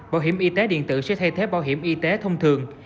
bảo hiểm y tế điện tử sẽ thay thế bảo hiểm y tế thông thường